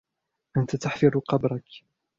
انت تحفر قبرك.